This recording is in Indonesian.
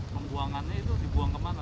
pembuangan itu dibuang ke mana